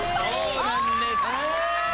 そうなんですそう！